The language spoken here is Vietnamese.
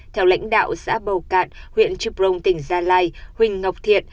theo lãnh đạo xã bầu cạn huyện trịu prông tỉnh gia lai huỳnh ngọc thiện